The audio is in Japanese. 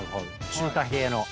中華系の。